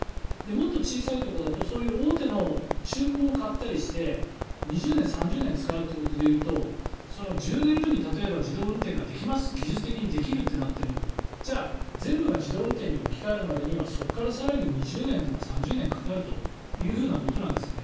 もっと小さいところだとそういう大手の中古を買ったりして２０年、３０年使うということで言うと１０年後に例えば自動運転ができます技術的にできるってなってもじゃあ全部が自動運転に置き換わるまでにはそこから更に２０年とか３０年かかるというふうなことなんですね。